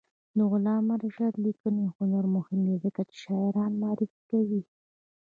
د علامه رشاد لیکنی هنر مهم دی ځکه چې شاعران معرفي کوي.